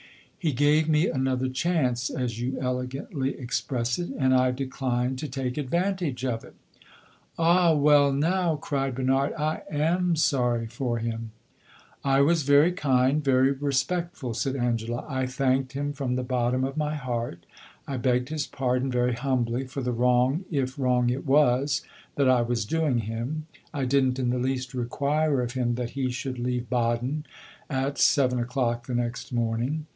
"He gave me another 'chance,' as you elegantly express it, and I declined to take advantage of it." "Ah, well, now," cried Bernard, "I am sorry for him!" "I was very kind very respectful," said Angela. "I thanked him from the bottom of my heart; I begged his pardon very humbly for the wrong if wrong it was that I was doing him. I did n't in the least require of him that he should leave Baden at seven o'clock the next morning.